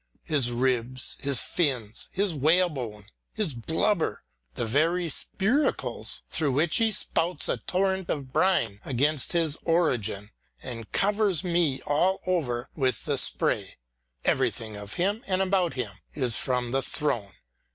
His ribs, his fins, his whalebone, his blubber, the very spiracles through which he spouts a torrent of brine against his origin, and covers me all over with the spray — everything of him and about him is from the throne.